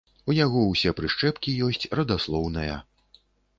У яго ўсе прышчэпкі ёсць, радаслоўная.